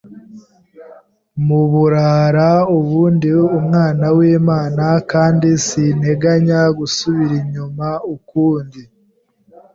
mu burara ubu ndi umwana w’Imana kandi sinteganya gusubira inyuma ukundi